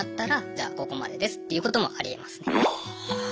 ああ。